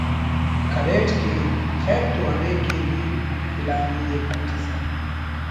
کریٹ کہ خیر تو ارے کہ نی فلا نی ءِ پٹسہ……